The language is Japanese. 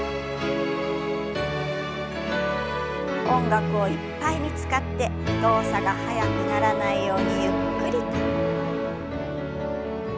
音楽をいっぱいに使って動作が速くならないようにゆっくりと。